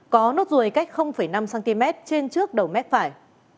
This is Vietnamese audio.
có nốt ruồi cách năm cm trên trước đầu mép phải